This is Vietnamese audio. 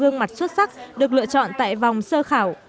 năm gương mặt xuất sắc được lựa chọn tại vòng sơ khảo